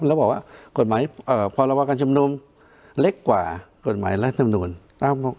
แล้วบอกว่ากฎหมายพรบการชุมนุมเล็กกว่ากฎหมายรัฐมนุนตาม